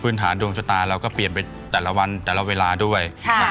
ฐานดวงชะตาเราก็เปลี่ยนไปแต่ละวันแต่ละเวลาด้วย